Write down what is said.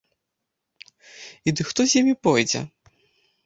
І ды хто з імі пойдзе?!